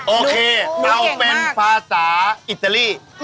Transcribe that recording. โอเคเราเป็นภาษาอิตาลี